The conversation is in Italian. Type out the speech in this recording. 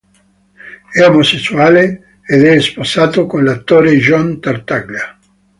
È omosessuale ed è sposato con l'attore John Tartaglia.